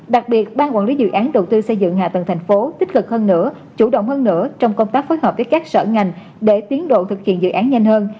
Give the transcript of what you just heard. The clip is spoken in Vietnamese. đặc biệt ban quản lý dự án đầu tư xây dựng hạ tầng thành phố tích cực hơn nữa chủ động hơn nữa trong công tác phối hợp với các sở ngành để tiến độ thực hiện dự án nhanh hơn